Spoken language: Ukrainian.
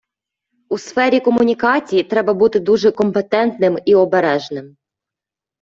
У сфері комунікацій треба бути дуже компетентним і обережним.